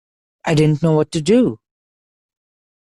I didn't know what to do.